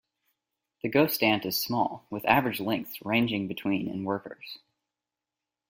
The ghost ant is small, with average lengths ranging between in workers.